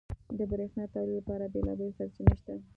• د برېښنا تولید لپاره بېلابېلې سرچینې شته.